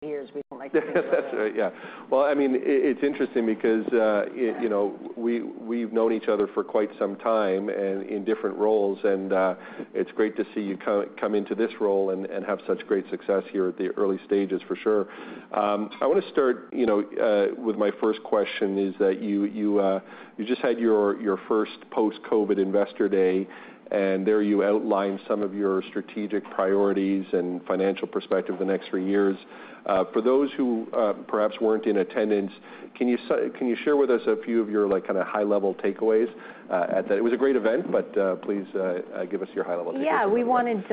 Years we don't like. That's right. Yeah. Well, I mean, it's interesting because, you know, we've known each other for quite some time and in different roles. It's great to see you come into this role and have such great success here at the early stages for sure. I wanna start, you know, with my first question, is that you just had your first post-COVID investor day. There you outlined some of your strategic priorities and financial perspective the next three years. For those who perhaps weren't in attendance, can you share with us a few of your, like, kinda high-level takeaways at that... It was a great event, but please give us your high-level takeaways. Yeah. We wanted,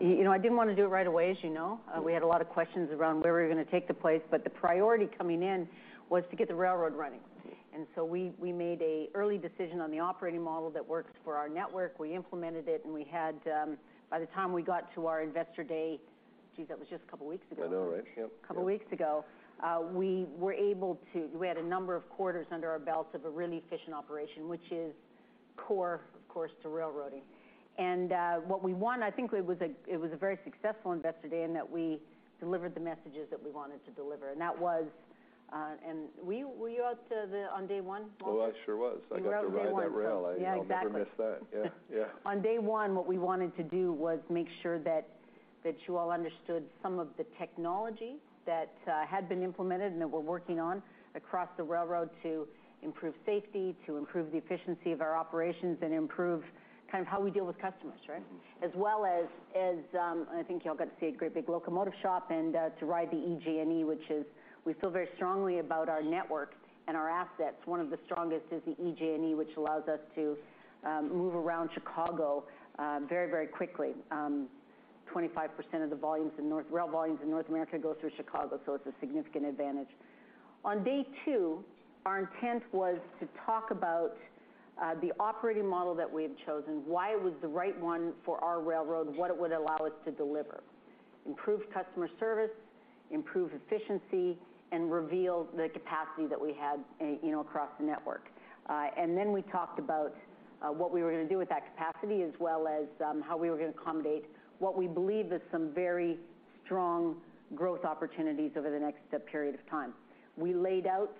you know, I didn't wanna do it right away, as you know. We had a lot of questions around where we were gonna take the place, but the priority coming in was to get the railroad running. We made a early decision on the operating model that worked for our network. We implemented it, and we had, by the time we got to our investor day, geez, that was just a couple of weeks ago. I know, right? Yep. Couple weeks ago, we had a number of quarters under our belts of a really efficient operation, which is core, of course, to railroading. I think it was a very successful investor day, we delivered the messages that we wanted to deliver. Were you out on day one, Walter? Oh, I sure was. You were out on day one. I got to ride that rail. Yeah, exactly. I'll never miss that. Yeah. Yeah. On day one, what we wanted to do was make sure that you all understood some of the technology that had been implemented and that we're working on across the railroad to improve safety, to improve the efficiency of our operations, and improve kind of how we deal with customers, right? Mm-hmm. As well as I think y'all got to see a great big locomotive shop and to ride the EJ&E, which is we feel very strongly about our network and our assets. One of the strongest is the EJ&E, which allows us to move around Chicago very, very quickly. 25% of the rail volumes in North America go through Chicago, so it's a significant advantage. On day two, our intent was to talk about the operating model that we have chosen, why it was the right one for our railroad, what it would allow us to deliver, improve customer service, improve efficiency, and reveal the capacity that we had, you know, across the network. We talked about what we were gonna do with that capacity, as well as, how we were gonna accommodate what we believe is some very strong growth opportunities over the next period of time. We laid out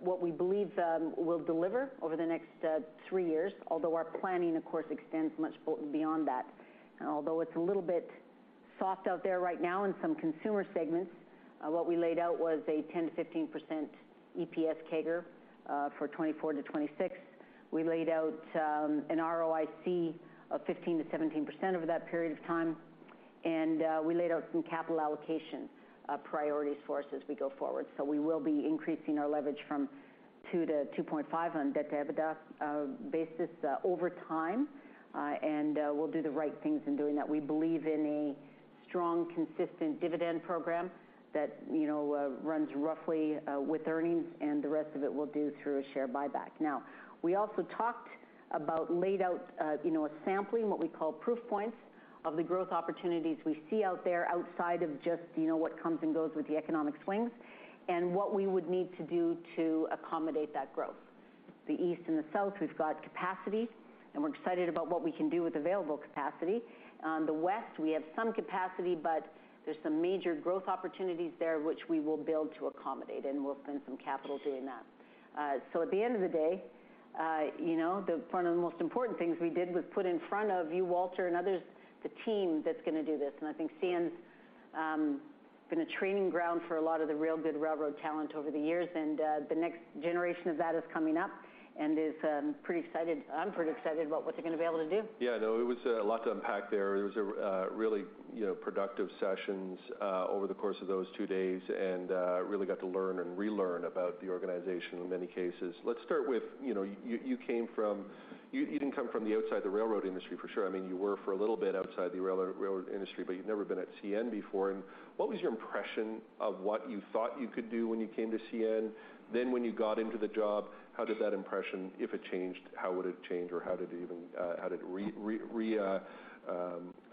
what we believe we'll deliver over the next three years, although our planning, of course, extends much beyond that. It's a little bit soft out there right now in some consumer segments, what we laid out was a 10%-15% EPS CAGR for 2024-2026. We laid out an ROIC of 15%-17% over that period of time. We laid out some capital allocation priorities for us as we go forward. We will be increasing our leverage from 2 to 2.5 on debt-to-EBITDA basis over time, and we'll do the right things in doing that. We believe in a strong, consistent dividend program that, you know, runs roughly with earnings, and the rest of it we'll do through a share buyback. We also laid out, you know, a sampling, what we call proof points of the growth opportunities we see out there outside of just, you know, what comes and goes with the economic swings, and what we would need to do to accommodate that growth. The East and the South, we've got capacity, and we're excited about what we can do with available capacity. The West, we have some capacity, but there's some major growth opportunities there which we will build to accommodate, and we'll spend some capital doing that. At the end of the day, you know, the most important things we did was put in front of you, Walter, and others, the team that's gonna do this. I think CN's been a training ground for a lot of the real good railroad talent over the years. The next generation of that is coming up and is pretty excited. I'm pretty excited about what they're gonna be able to do. Yeah, no, it was a lot to unpack there. It was a really, you know, productive sessions over the course of those two days and really got to learn and relearn about the organization in many cases. Let's start with, you know, you didn't come from the outside the railroad industry, for sure. I mean, you were for a little bit outside the railroad industry, but you've never been at CN before. What was your impression of what you thought you could do when you came to CN? When you got into the job, how did that impression, if it changed, how would it change, or how did it even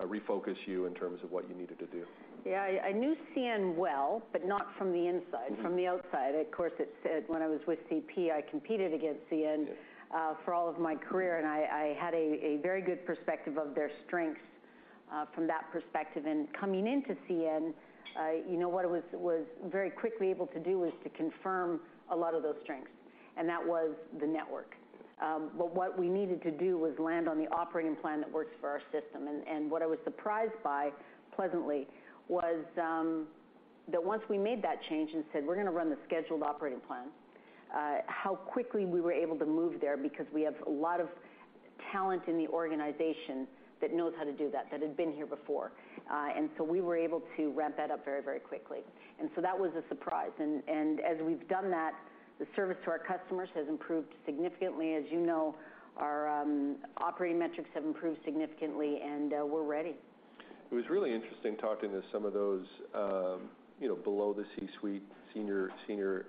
refocus you in terms of what you needed to do? Yeah. I knew CN well, but not from the inside- Mm-hmm ...from the outside. Of course, it said when I was with CP, I competed against CN- Yes ...for all of my career, and I had a very good perspective of their strengths, from that perspective. Coming into CN, you know, what it was very quickly able to do was to confirm a lot of those strengths, and that was the network. What we needed to do was land on the operating plan that works for our system. What I was surprised by pleasantly was, that once we made that change and said, "We're gonna run the scheduled operating plan," how quickly we were able to move there because we have a lot of talent in the organization that knows how to do that had been here before. We were able to ramp that up very, very quickly. That was a surprise. As we've done that, the service to our customers has improved significantly. As you know, our operating metrics have improved significantly, and we're ready. It was really interesting talking to some of those, you know, below the C-suite, senior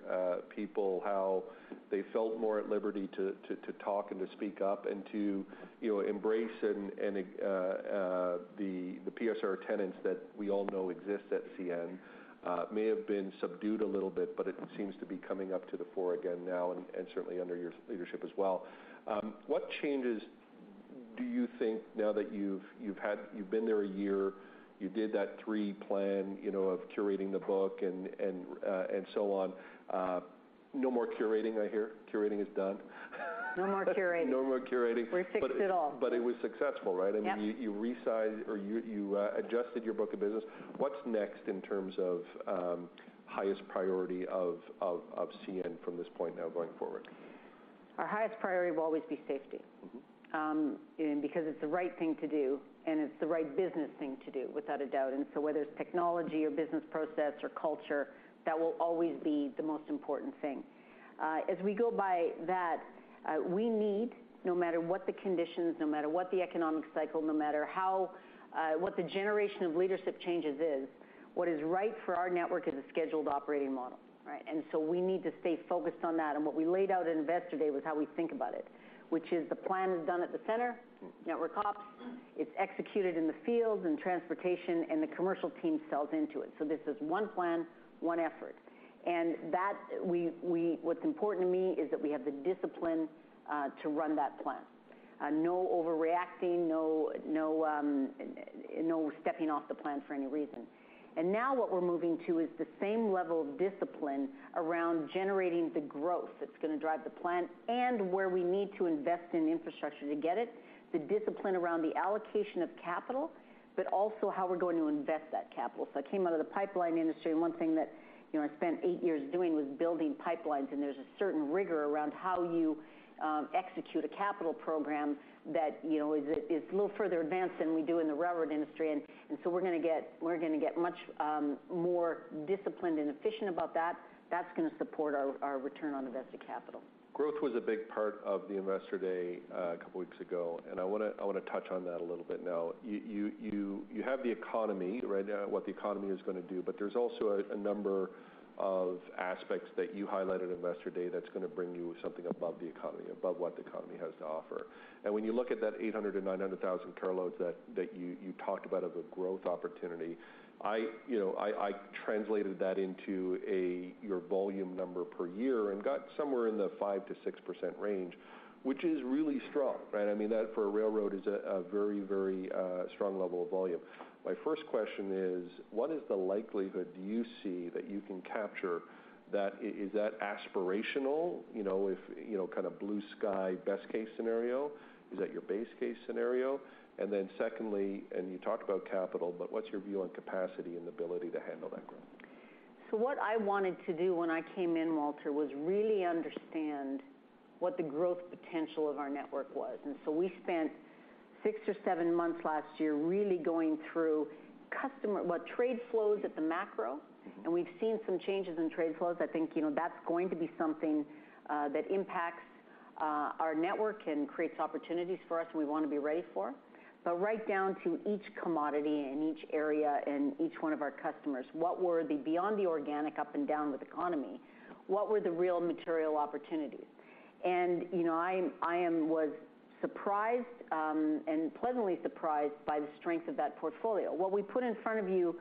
people, how they felt more at liberty to talk and to speak up and to, you know, embrace and, the PSR tenets that we all know exist at CN. May have been subdued a little bit, but it seems to be coming up to the fore again now and certainly under your leadership as well. What changes do you think now that you've been there a year, you did that three plan, you know, of curating the book and so on? No more curating, I hear. Curating is done. No more curating. No more curating. We fixed it all. It was successful, right? Yep. I mean, you resized or you adjusted your book of business. What's next in terms of highest priority of CN from this point now going forward? Our highest priority will always be safety. Mm-hmm. Because it's the right thing to do, and it's the right business thing to do, without a doubt. Whether it's technology or business process or culture, that will always be the most important thing. As we go by that, we need, no matter what the conditions, no matter what the economic cycle, no matter how, what the generation of leadership changes is, what is right for our network is a scheduled operating model, right? We need to stay focused on that. What we laid out in investor day was how we think about it, which is the plan is done at the center, network ops. It's executed in the field and transportation, and the commercial team sells into it. This is one plan, one effort. What's important to me is that we have the discipline to run that plan. No overreacting, no stepping off the plan for any reason. Now what we're moving to is the same level of discipline around generating the growth that's gonna drive the plan and where we need to invest in infrastructure to get it, the discipline around the allocation of capital, but also how we're going to invest that capital. I came out of the pipeline industry, and one thing that, you know, I spent eight years doing was building pipelines, and there's a certain rigor around how you execute a capital program that, you know, is a little further advanced than we do in the railroad industry. We're gonna get much more disciplined and efficient about that. That's gonna support our Return on Invested Capital. Growth was a big part of the investor day, a couple weeks ago, and I wanna touch on that a little bit now. You have the economy, right, what the economy is gonna do, but there's also a number of aspects that you highlighted at investor day that's gonna bring you something above the economy, above what the economy has to offer. When you look at that 800,000-900,000 carloads that you talked about as a growth opportunity, I, you know, I translated that into your volume number per year and got somewhere in the 5%-6% range, which is really strong, right? I mean, that for a railroad is a very, very strong level of volume. My first question is, what is the likelihood do you see that you can capture that? Is that aspirational? You know, if, you know, kinda blue sky, best case scenario. Is that your base case scenario? Secondly, you talked about capital, what's your view on capacity and ability to handle that growth? What I wanted to do when I came in, Walter, was really understand what the growth potential of our network was. We spent six or seven months last year really going through customer well, trade flows at the macro, and we've seen some changes in trade flows. I think, you know, that's going to be something that impacts our network and creates opportunities for us, and we wanna be ready for. Right down to each commodity and each area and each one of our customers, what were the, beyond the organic up and down with economy, what were the real material opportunities? You know, I was surprised and pleasantly surprised by the strength of that portfolio. What we put in front of you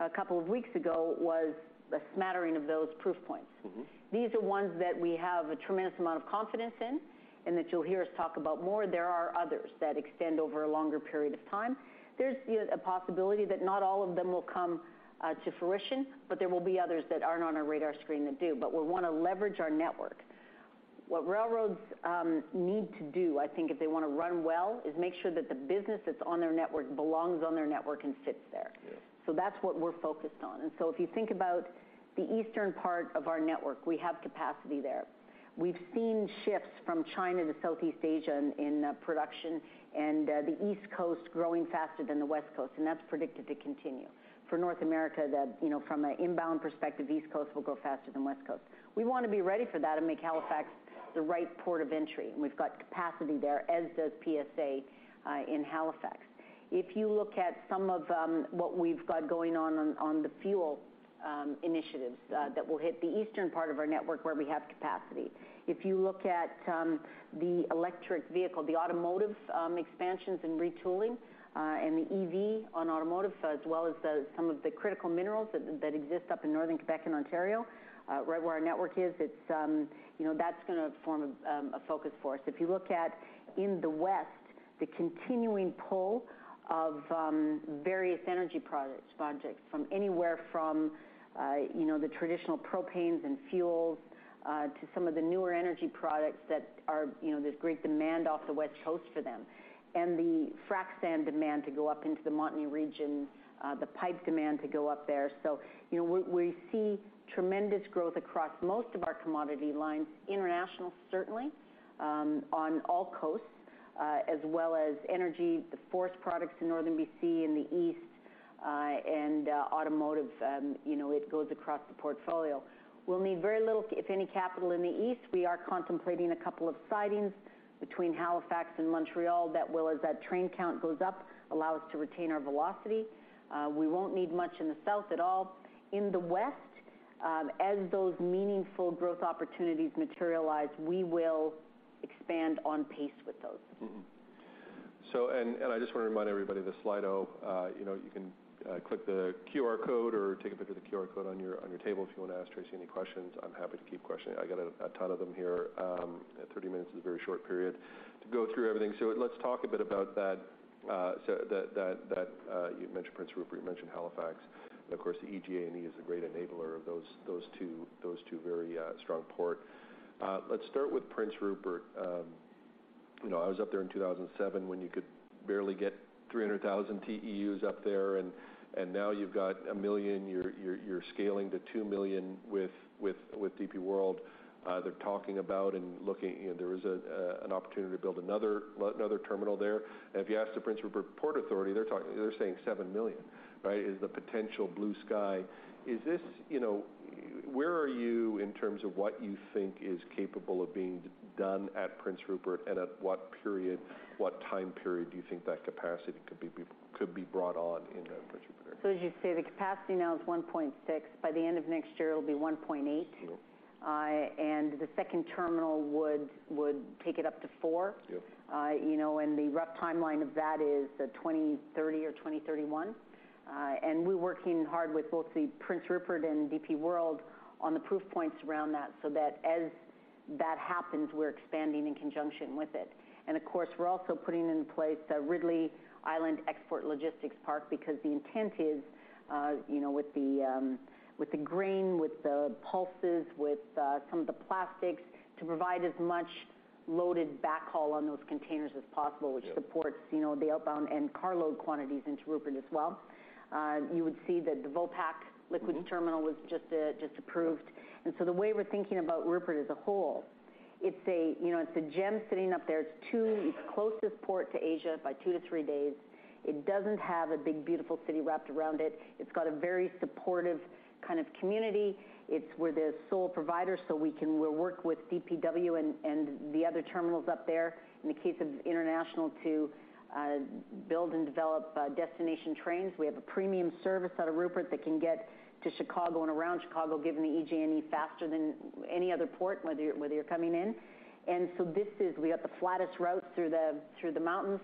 a couple of weeks ago was a smattering of those proof points. Mm-hmm. These are ones that we have a tremendous amount of confidence in and that you'll hear us talk about more. There are others that extend over a longer period of time. There's, you know, a possibility that not all of them will come to fruition, but there will be others that aren't on our radar screen that do. We wanna leverage our network. What railroads need to do, I think, if they wanna run well, is make sure that the business that's on their network belongs on their network and fits there. Yeah. That's what we're focused on. If you think about the eastern part of our network, we have capacity there. We've seen shifts from China to Southeast Asia in production and the East Coast growing faster than the West Coast, and that's predicted to continue. For North America, the, you know, from an inbound perspective, East Coast will go faster than West Coast. We wanna be ready for that and make Halifax the right port of entry, and we've got capacity there, as does PSA in Halifax. If you look at some of what we've got going on the fuel initiatives that will hit the eastern part of our network where we have capacity. If you look at the electric vehicle, the automotive expansions and retooling and the EV on automotive, as well as the some of the critical minerals that exist up in northern Quebec and Ontario, right where our network is, it's, you know, that's gonna form a focus for us. If you look at in the West, the continuing pull of various energy products-- projects from anywhere from, you know, the traditional propanes and fuels, to some of the newer energy products that are, you know, there's great demand off the West Coast for them, and the frac sand demand to go up into the Montney region, the pipe demand to go up there. You know, we see tremendous growth across most of our commodity lines, international certainly, on all coasts, as well as energy, the forest products in northern BC and the East, and automotive. You know, it goes across the portfolio. We'll need very little, if any, capital in the East. We are contemplating a couple of sidings between Halifax and Montreal that will, as that train count goes up, allow us to retain our velocity. We won't need much in the South at all. In the West, as those meaningful growth opportunities materialize, we will expand on pace with those. Mm-hmm. And I just wanna remind everybody, the Slido, you know, you can click the QR code or take a picture of the QR code on your table if you wanna ask Tracy any questions. I'm happy to keep questioning. I got a ton of them here. 30 minutes is a very short period to go through everything. Let's talk a bit about that, so that you mentioned Prince Rupert, you mentioned Halifax, and of course, the EJ&E is the great enabler of those two very strong port. Let's start with Prince Rupert. You know, I was up there in 2007 when you could barely get 300,000 TEUs up there, and now you've got 1 million. You're scaling to 2 million with DP World. They're talking about and looking, there is an opportunity to build another terminal there. If you ask the Prince Rupert Port Authority, they're talking, they're saying 7 million, right? Is the potential blue sky. Is this? You know, where are you in terms of what you think is capable of being done at Prince Rupert, and at what period, what time period do you think that capacity could be brought on in the Prince Rupert area? As you say, the capacity now is 1.6. By the end of next year, it'll be 1.8. Yep. The second terminal would take it up to four. Yep. You know, the rough timeline of that is 2030 or 2031. We're working hard with both the Prince Rupert and DP World on the proof points around that, so that as that happens, we're expanding in conjunction with it. Of course, we're also putting in place the Ridley Island Export Logistics Park because the intent is, you know, with the grain, with the pulses, with some of the plastics, to provide as much loaded backhaul on those containers as possible. Yeah. which supports, you know, the outbound and carload quantities into Rupert as well. You would see that the Vopak Liquid Terminal was just approved. The way we're thinking about Rupert as a whole, it's a, you know, it's a gem sitting up there. It's closest port to Asia by two to three days. It doesn't have a big, beautiful city wrapped around it. It's got a very supportive kind of community. It's where the sole provider, so we'll work with DPW and the other terminals up there in the case of international to build and develop destination trains. We have a premium service out of Rupert that can get to Chicago and around Chicago given the EJ&E faster than any other port, whether you're coming in. We got the flattest route through the mountains.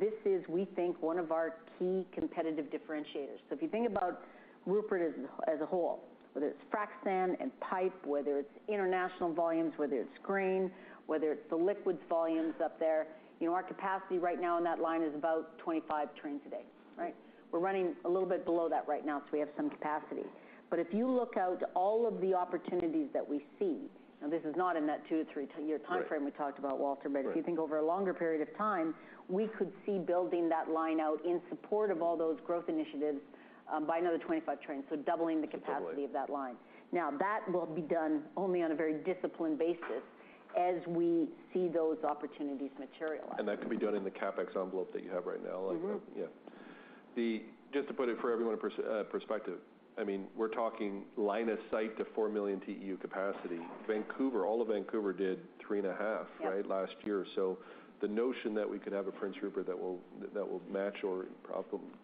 This is, we think, one of our key competitive differentiators. If you think about Rupert as a whole, whether it's frac sand and pipe, whether it's international volumes, whether it's grain, whether it's the liquids volumes up there, you know, our capacity right now on that line is about 25 trains a day, right? We're running a little bit below that right now, so we have some capacity. If you look out all of the opportunities that we see, this is not in that two-three year timeframe we talked about, Walter. Right. If you think over a longer period of time, we could see building that line out in support of all those growth initiatives, by another 25 trains, so doubling the capacity of that line. Totally. Now, that will be done only on a very disciplined basis as we see those opportunities materialize. That can be done in the CapEx envelope that you have right now? Mm-hmm. Yeah. Just to put it for everyone in perspective, I mean, we're talking line of sight to 4 million TEU capacity. Vancouver, all of Vancouver did three and a half, right. Yeah. last year. The notion that we could have a Prince Rupert that will match or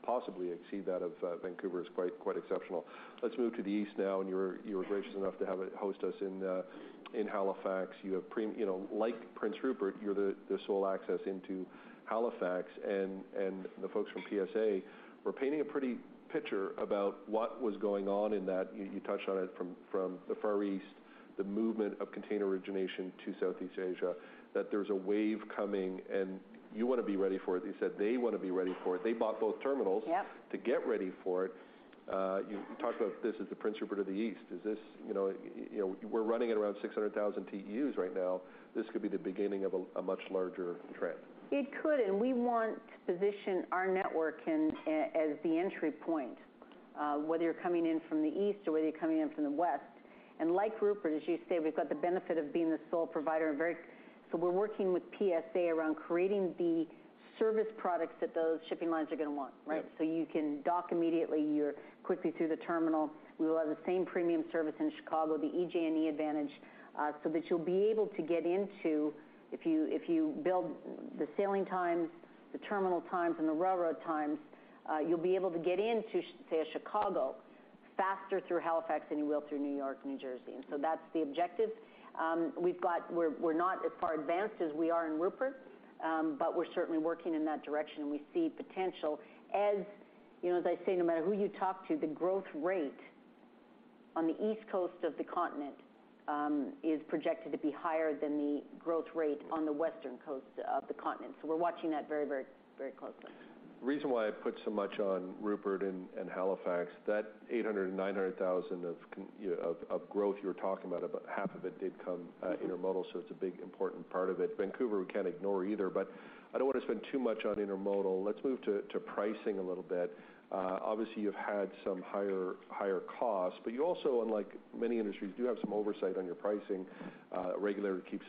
possibly exceed that of Vancouver is quite exceptional. Let's move to the East now. You were gracious enough to host us in Halifax. You know, like Prince Rupert, you're the sole access into Halifax. The folks from PSA were painting a pretty picture about what was going on in that. You touched on it from the Far East, the movement of container origination to Southeast Asia, that there's a wave coming and you wanna be ready for it. You said they wanna be ready for it. They bought both terminals- Yep. -to get ready for it. You talked about this as the Prince Rupert of the East. You know, we're running at around 600,000 TEUs right now. This could be the beginning of a much larger trend. It could, we want to position our network in, as the entry point, whether you're coming in from the East or whether you're coming in from the West. Like Rupert, as you say, we've got the benefit of being the sole provider. We're working with PSA around creating the service products that those shipping lines are gonna want, right? Yeah. You can dock immediately, you're quickly through the terminal. We will have the same premium service in Chicago, the EJ&E advantage. If you build the sailing times, the terminal times, and the railroad times, you'll be able to get into, say, Chicago faster through Halifax than you will through New York, New Jersey. That's the objective. We're not as far advanced as we are in Rupert, we're certainly working in that direction, and we see potential. You know, as I say, no matter who you talk to, the growth rate on the East Coast of the continent is projected to be higher than the growth rate on the western coast of the continent. We're watching that very, very, very closely. The reason why I put so much on Rupert and Halifax, that 800,000, 900,000 of growth you're talking about half of it did come intermodal. It's a big important part of it. Vancouver, we can't ignore either. I don't wanna spend too much on intermodal. Let's move to pricing a little bit. Obviously, you've had some higher costs. You also, unlike many industries, do have some oversight on your pricing. Regulator keeps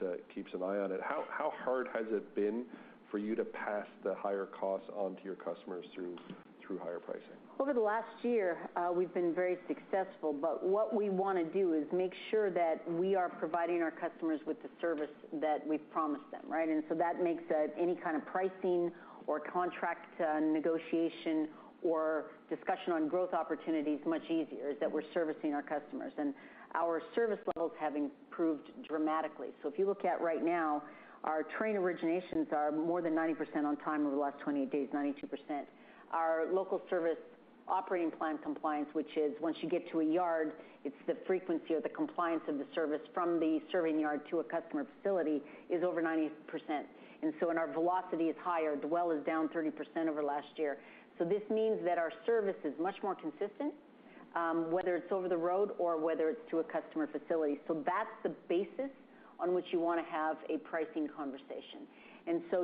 an eye on it. How hard has it been for you to pass the higher costs onto your customers through higher pricing? Over the last year, we've been very successful, but what we wanna do is make sure that we are providing our customers with the service that we've promised them, right? That makes any kind of pricing or contract negotiation or discussion on growth opportunities much easier, is that we're servicing our customers. Our service levels have improved dramatically. If you look at right now, our train originations are more than 90% on time over the last 28 days, 92%. Our local service operating plan compliance, which is once you get to a yard, it's the frequency or the compliance of the service from the serving yard to a customer facility, is over 90%. Our velocity is higher. Dwell is down 30% over last year. This means that our service is much more consistent. Whether it's over the road or whether it's to a customer facility. That's the basis on which you wanna have a pricing conversation.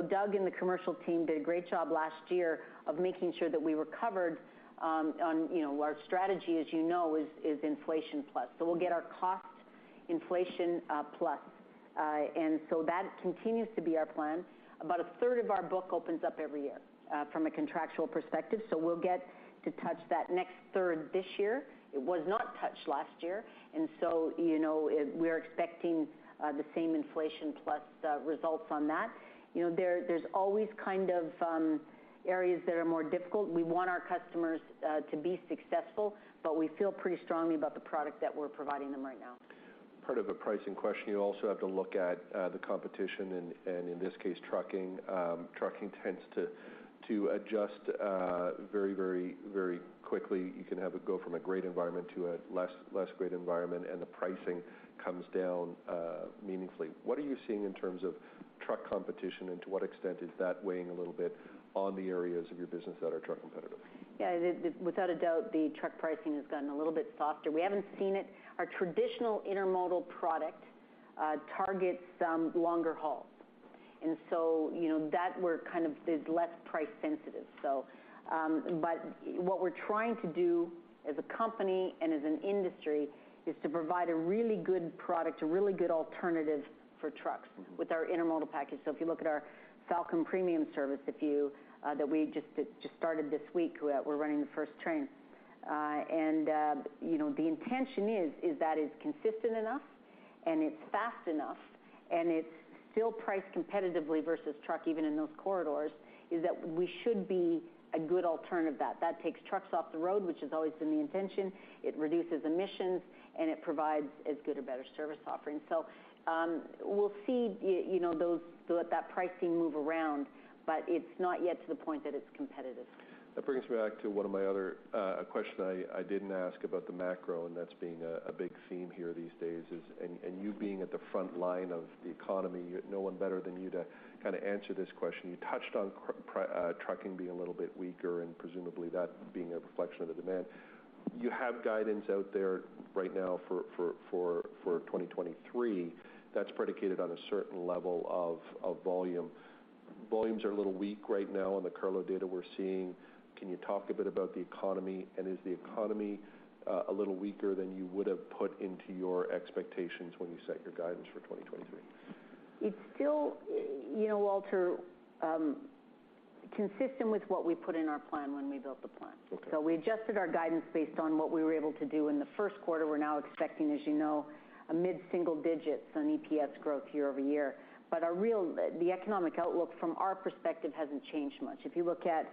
Doug and the commercial team did a great job last year of making sure that we were covered, on, you know, our strategy, as you know, is inflation plus. We'll get our cost inflation, plus. That continues to be our plan. About a third of our book opens up every year, from a contractual perspective, so we'll get to touch that next third this year. It was not touched last year, you know, we're expecting the same inflation plus results on that. You know, there's always kind of areas that are more difficult. We want our customers to be successful, but we feel pretty strongly about the product that we're providing them right now. Part of a pricing question, you also have to look at the competition, and in this case, trucking. Trucking tends to adjust very quickly. You can have it go from a great environment to a less great environment, and the pricing comes down meaningfully. What are you seeing in terms of truck competition, and to what extent is that weighing a little bit on the areas of your business that are truck competitive? Yeah. Without a doubt, the truck pricing has gotten a little bit softer. We haven't seen it. Our traditional intermodal product targets some longer hauls. You know, that we're kind of is less price sensitive. What we're trying to do as a company and as an industry is to provide a really good product, a really good alternative for trucks with our intermodal package. If you look at our Falcon Premium service that we just started this week, we're running the first train. You know, the intention is that it's consistent enough and it's fast enough and it's still priced competitively versus truck, even in those corridors, is that we should be a good alternative that takes trucks off the road, which has always been the intention. It reduces emissions, and it provides as good or better service offerings. We'll see, you know, that pricing move around, but it's not yet to the point that it's competitive. That brings me back to one of my other questions I didn't ask about the macro, and that's being a big theme here these days is. You being at the front line of the economy, no one better than you to kinda answer this question. You touched on trucking being a little bit weaker and presumably that being a reflection of the demand. You have guidance out there right now for 2023 that's predicated on a certain level of volume. Volumes are a little weak right now on the cargo data we're seeing. Can you talk a bit about the economy, and is the economy a little weaker than you would have put into your expectations when you set your guidance for 2023? It's still, you know, Walter, consistent with what we put in our plan when we built the plan. Okay. We adjusted our guidance based on what we were able to do in the first quarter. We're now expecting, as you know, a mid-single digits on EPS growth year-over-year. The economic outlook from our perspective hasn't changed much. If you look at,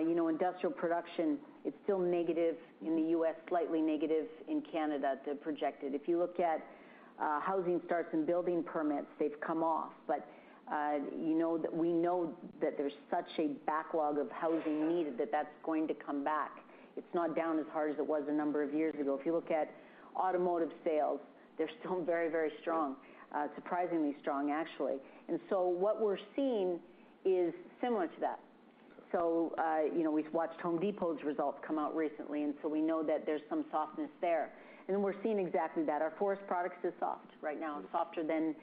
you know, industrial production, it's still negative in the U.S., slightly negative in Canada, the projected. If you look at housing starts and building permits, they've come off. But, we know that there's such a backlog of housing need that that's going to come back. It's not down as hard as it was a number of years ago. If you look at automotive sales, they're still very strong. Surprisingly strong, actually. What we're seeing is similar to that. Okay. You know, we've watched Home Depot's results come out recently, and so we know that there's some softness there. We're seeing exactly that. Our forest products are soft right now, softer than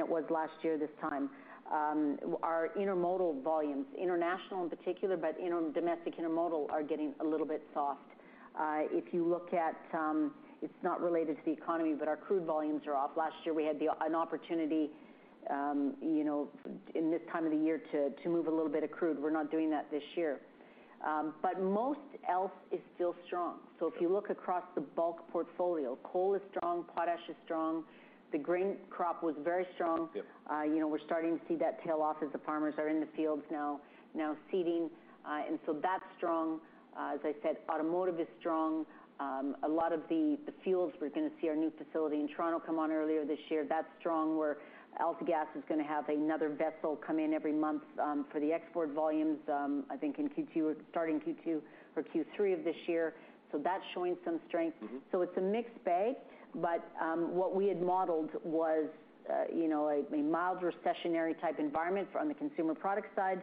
it was last year this time. Our intermodal volumes, international in particular, but, you know, domestic intermodal are getting a little bit soft. If you look at, it's not related to the economy, but our crude volumes are off. Last year we had an opportunity, you know, in this time of the year to move a little bit of crude. We're not doing that this year. Most else is still strong. Yeah. If you look across the bulk portfolio, coal is strong, potash is strong. The grain crop was very strong. Yeah. You know, we're starting to see that tail off as the farmers are in the fields now seeding. That's strong. As I said, automotive is strong. A lot of the fuels, we're gonna see our new facility in Toronto come on earlier this year. That's strong, where AltaGas is gonna have another vessel come in every month for the export volumes, I think in Q2, starting Q2 or Q3 of this year. That's showing some strength. Mm-hmm. It's a mixed bag, but what we had modeled was, you know, a mild recessionary type environment on the consumer products side,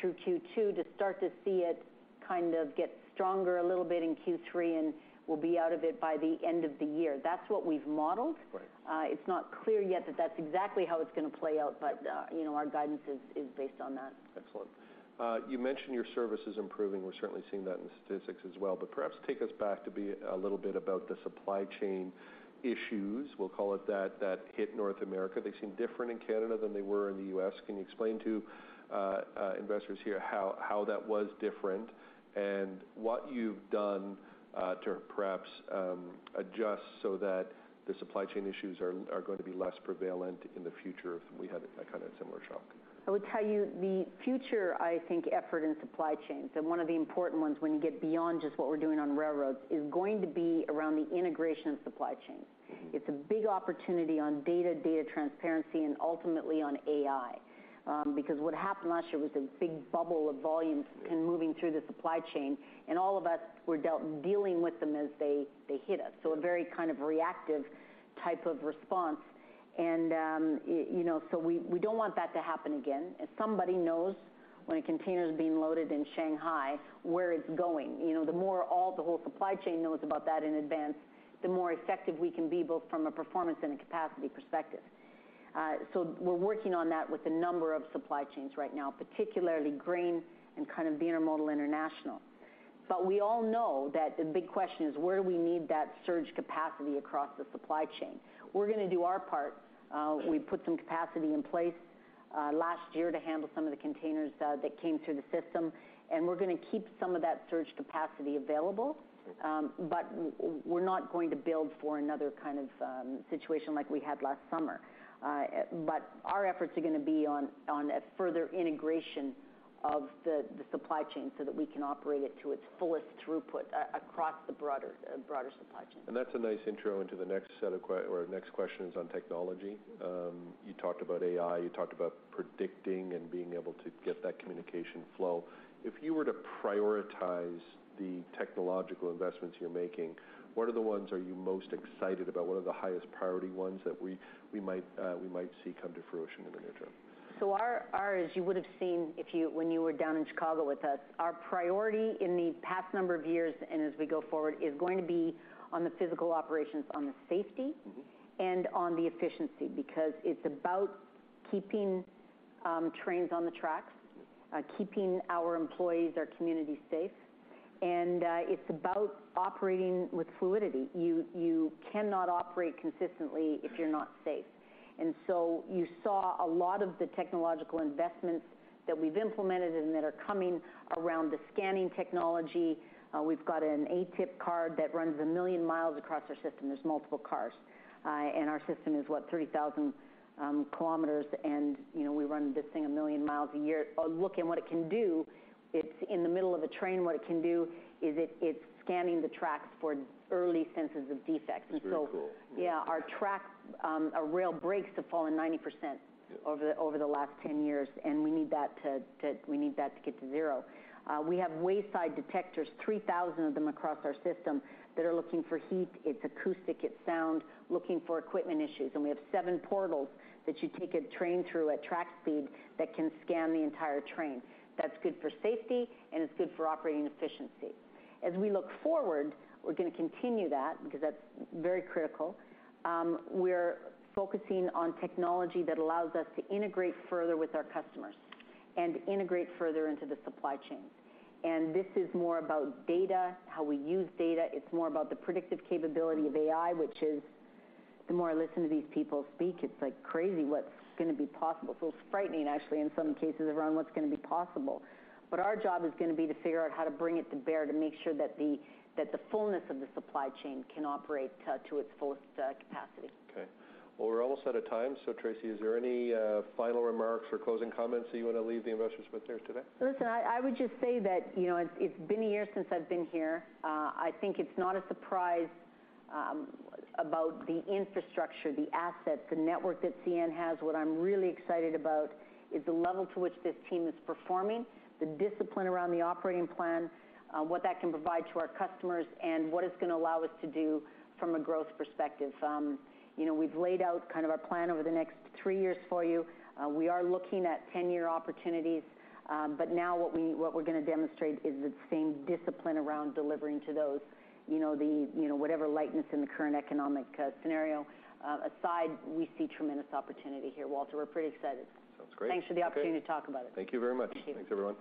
through Q2 to start to see it kind of get stronger a little bit in Q3, and we'll be out of it by the end of the year. That's what we've modeled. Right. It's not clear yet that that's exactly how it's gonna play out, but, you know, our guidance is based on that. Excellent. You mentioned your service is improving. We're certainly seeing that in the statistics as well, perhaps take us back a little bit about the supply chain issues, we'll call it that hit North America. They seem different in Canada than they were in the U.S. Can you explain to investors here how that was different and what you've done to perhaps adjust so that the supply chain issues are going to be less prevalent in the future if we had that kinda similar shock? I would tell you the future, I think, effort in supply chains, and one of the important ones when you get beyond just what we're doing on railroads, is going to be around the integration of supply chains. It's a big opportunity on data transparency, and ultimately on AI. Because what happened last year was a big bubble of volume in moving through the supply chain, and all of us were dealing with the move-They hit us. A very kind of reactive type of response. You know, we don't want that to happen again. If somebody knows when a container is being loaded in Shanghai, where it's going, you know, the more all the whole supply chain knows about that in advance, the more effective we can be, both from a performance and a capacity perspective. We're working on that with a number of supply chains right now, particularly grain and kind of intermodal international. We all know that the big question is: Where do we need that surge capacity across the supply chain? We're gonna do our part. We put some capacity in place last year to handle some of the containers that came through the system, and we're gonna keep some of that surge capacity available. We're not going to build for another kind of situation like we had last summer. Our efforts are gonna be on a further integration of the supply chain so that we can operate it to its fullest throughput across the broader supply chain. That's a nice intro into the next set of questions on technology. You talked about AI, you talked about predicting and being able to get that communication flow. If you were to prioritize the technological investments you're making, what are the ones are you most excited about? What are the highest priority ones that we might see come to fruition in the near term? Our, as you would have seen when you were down in Chicago with us, our priority in the past number of years, and as we go forward, is going to be on the physical operations. Mm-hmm. On the efficiency, because it's about keeping, trains on the tracks. Yes. Keeping our employees, our community safe. It's about operating with fluidity. You cannot operate consistently if you're not safe. You saw a lot of the technological investments that we've implemented and that are coming around the scanning technology. We've got an ATIP car that runs 1 million miles across our system. There's multiple cars. Our system is, what, 30,000 km, you know, we run this thing 1 million miles a year. Looking what it can do, it's in the middle of a train. What it can do is it's scanning the tracks for early senses of defects. It's very cool. Our tracks, our rail breaks have fallen 90%... Yeah. over the last 10 years. We need that to get to zero. We have wayside detectors, 3,000 of them across our system, that are looking for heat. It's acoustic, it's sound, looking for equipment issues. We have seven portals that you take a train through at track speed that can scan the entire train. That's good for safety, and it's good for operating efficiency. As we look forward, we're gonna continue that because that's very critical. We're focusing on technology that allows us to integrate further with our customers and integrate further into the supply chain. This is more about data, how we use data. It's more about the predictive capability of AI, which is, the more I listen to these people speak, it's, like, crazy what's gonna be possible. It's a little frightening, actually, in some cases around what's gonna be possible. Our job is gonna be to figure out how to bring it to bear to make sure that the fullness of the supply chain can operate to its fullest capacity. Okay. Well, we're almost out of time. Tracy, is there any final remarks or closing comments that you wanna leave the investors with here today? Listen, I would just say that, you know, it's been a year since I've been here. I think it's not a surprise about the infrastructure, the assets, the network that CN has. What I'm really excited about is the level to which this team is performing, the discipline around the operating plan, what that can provide to our customers and what it's gonna allow us to do from a growth perspective. You know, we've laid out kind of our plan over the next three years for you. We are looking at ten-year opportunities. Now what we're gonna demonstrate is the same discipline around delivering to those, you know, whatever lightness in the current economic scenario. Aside, we see tremendous opportunity here, Walter. We're pretty excited. Sounds great. Thanks for the opportunity to talk about it. Thank you very much. Thank you. Thanks, everyone.